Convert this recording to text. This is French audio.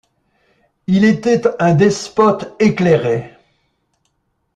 Il était un despote éclairé.